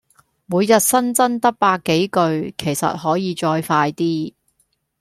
每日新增得百幾句，其實可以再快啲